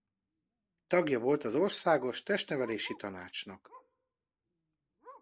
Tagja volt az Országos Testnevelési Tanácsnak.